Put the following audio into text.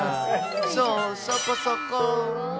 そう、そこそこ。